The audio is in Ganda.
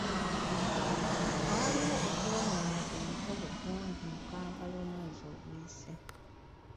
Waaliwo okwonoona empewo kungi mu Kampala omwezi oguyise.